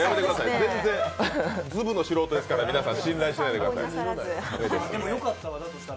ズブの素人ですから皆さん、信用なさらないでください